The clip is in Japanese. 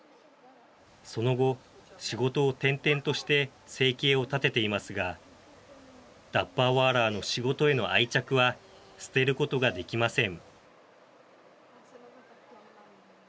その後、仕事を転々として生計を立てていますがダッバーワーラーの仕事への愛着は捨てることができません。